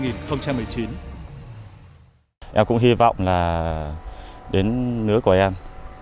em cũng hy vọng là đến nửa của em